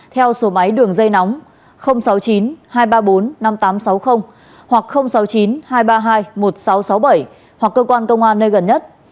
theo số máy đường dây nóng sáu mươi chín hai trăm ba mươi bốn năm nghìn tám trăm sáu mươi hoặc sáu mươi chín hai trăm ba mươi hai một nghìn sáu trăm sáu mươi bảy hoặc cơ quan công an nơi gần nhất